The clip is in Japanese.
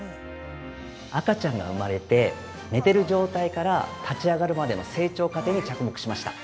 ◆赤ちゃんが生まれて寝てる状態から立ち上がるまでの成長過程に着目しました。